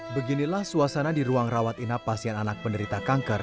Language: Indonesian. beginilah suasana di ruang rawat inap pasien anak penderita kanker